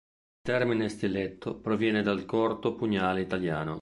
Il termine "stiletto" proviene dal corto pugnale italiano.